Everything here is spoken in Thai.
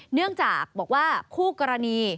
เนื่องจากบอกว่าคู่กรณี